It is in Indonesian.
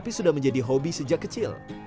tapi sudah menjadi hobi sejak kecil